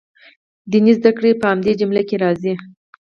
دیني زده کړې په همدې جمله کې راځي.